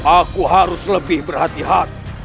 aku harus lebih berhati hati